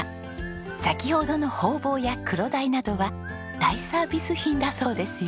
先ほどのホウボウやクロダイなどは大サービス品だそうですよ。